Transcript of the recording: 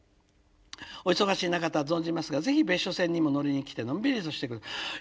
「お忙しい中とは存じますがぜひ別所線にも乗りに来てのんびりとして下さい」。